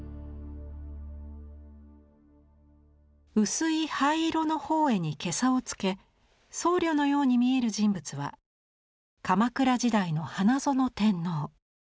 薄い灰色の法衣にけさをつけ僧侶のように見える人物は鎌倉時代の花園天皇。